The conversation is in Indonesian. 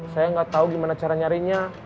saya gak tau gimana cara nyarinya